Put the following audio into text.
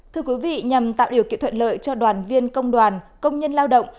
thưa quý vị nhằm tạo điều kiện thuận lợi cho đoàn viên công đoàn công nhân lao động